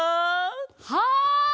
はい！